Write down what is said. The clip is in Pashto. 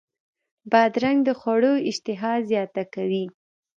بادرنګ د خوړو اشتها زیاته کوي.